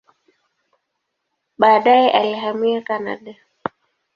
Baadaye alihamia Kanada.